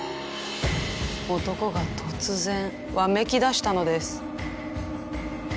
男が突然わめきだしたのです。